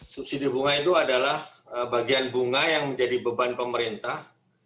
subsidi bunga itu adalah bagian bunga yang menjadi beban pemerintah